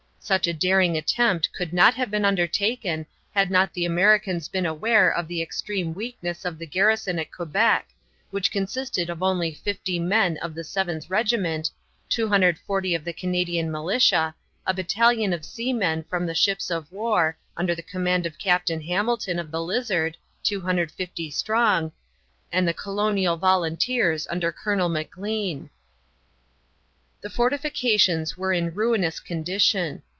Such a daring attempt could not have been undertaken had not the Americans been aware of the extreme weakness of the garrison at Quebec, which consisted only of 50 men of the Seventh Regiment, 240 of the Canadian militia, a battalion of seamen from the ships of war, under the command of Captain Hamilton of the Lizard, 250 strong, and the colonial volunteers, under Colonel Maclean. The fortifications were in a ruinous condition.